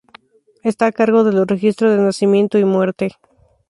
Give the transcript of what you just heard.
Está a cargo de los registros de nacimiento y muerte.